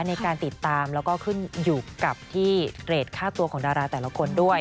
ในการติดตามแล้วก็ขึ้นอยู่กับที่เตรดค่าตัวของดาราแต่ละคนด้วย